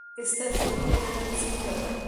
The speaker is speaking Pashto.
ستاسو روغتیا نن څنګه ده؟